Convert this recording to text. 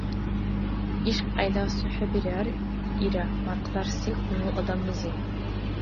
— Ишкьяйда асухӀебирар, — ира мякьларси хьунул адамлизи.